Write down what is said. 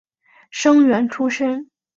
生员出身。